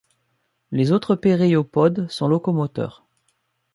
Les autres péréiopodes sont locomoteurs.